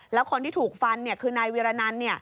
แล้วคนที่ถูกฟันคือนายวิรนัน